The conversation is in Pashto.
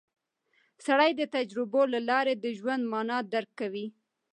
سړی د تجربو له لارې د ژوند مانا درک کوي